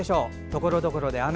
ところどころで雨。